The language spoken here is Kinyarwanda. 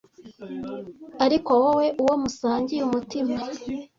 'Ariko wowe, uwo musangiye umutima